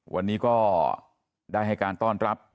วันนี้ก็ได้ให้การต้อนรับ